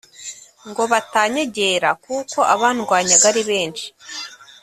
ngo batanyegera kuko abandwanyaga ari benshi